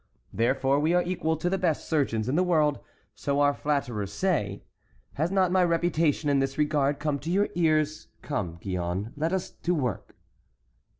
Therefore we are equal to the best surgeons in the world; so our flatterers say! Has not my reputation in this regard come to your ears? Come, Gillonne, let us to work!"